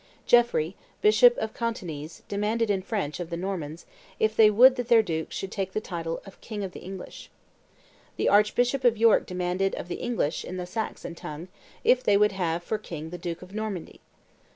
Geoffrey, bishop of Coutanees, demanded in French, of the Normans, if they would that their duke should take the title of King of the English. The archbishop of York demanded of the English, in the Saxon tongue, if they would have for king the duke of Normandy.